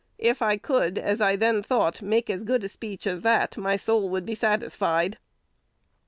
If I could, as I then thought, make as good a speech as that, my soul would be satisfied."